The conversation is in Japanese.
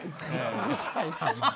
うるさいな！